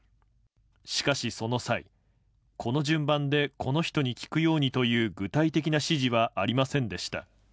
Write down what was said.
しかしその際、この順番でこの人に聞くようにという具体的な指示はありません